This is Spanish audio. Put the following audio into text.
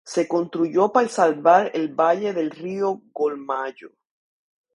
Se construyó para salvar el valle del río Golmayo.